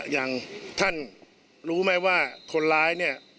อย่างท่านรู้ไหมว่าคนร้าย